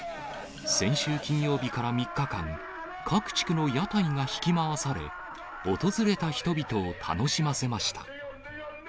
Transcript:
先週金曜日から３日間、各地区の屋台が引き回され、訪れた人々を楽しませました。